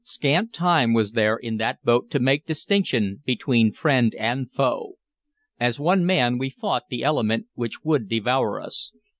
Scant time was there in that boat to make distinction between friend and foe. As one man we fought the element which would devour us.